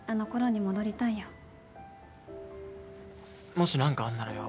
もし何かあんならよ